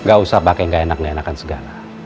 gak usah pake gak enak ngak enakan segala